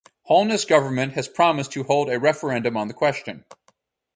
Holness's government has promised to hold a referendum on the question.